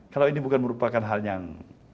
kalau ini bukan merupakan hal yang